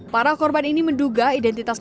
para korban ini menduga identitas